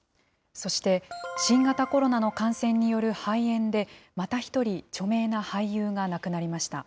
そして新型コロナの感染による肺炎でまた一人、著名な俳優が亡くなりました。